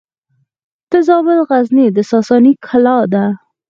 د زابل غزنیې د ساساني کلا ده